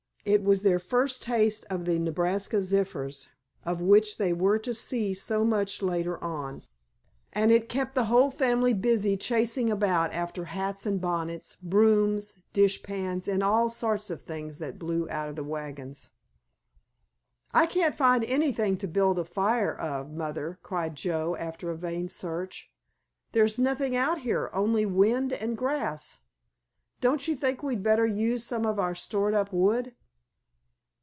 It was their first taste of the "Nebraska zephyrs," of which they were to see so much later on, and it kept the whole family busy chasing about after hats and bonnets, brooms, dish pans, and all sorts of things that blew out of the wagons. "I can't find anything to build a fire of, Mother," cried Joe after a vain search, "there's nothing out here, only wind and grass. Don't you think we'd better use some of our stored up wood?"